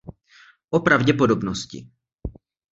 O pravděpodobnosti.